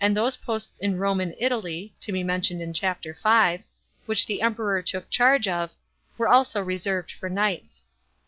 those posts in Rome and Italy (to be mentioned in Chap. V.) which the Kmperor took charge of, were also reserved for knights.